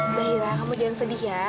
zaira kamu jangan sedih ya